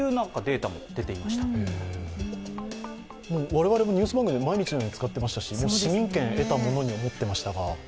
我々もニュース番組で毎日のように使っていましたし、市民権得たものに思っていましたが。